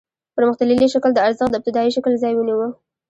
پرمختللي شکل د ارزښت د ابتدايي شکل ځای ونیو